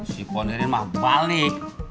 si ponirin mah balik